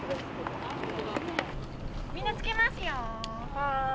みんなつけますよ。